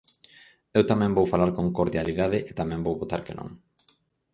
Eu tamén vou falar con cordialidade e tamén vou votar que non.